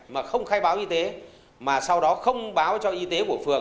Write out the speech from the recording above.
mà không khai báo y tế mà sau đó không báo cho y tế của phường